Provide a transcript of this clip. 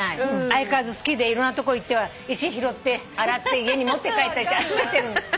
相変わらず好きでいろんなとこ行っては石拾って洗って家に持って帰ったりして集めてるの。